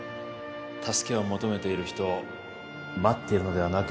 助けを求めている人を待っているのではなく